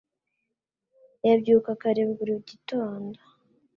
Yabyuka kare buri gitondo